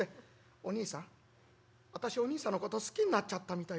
『おにいさん私おにいさんのこと好きになっちゃったみたい』。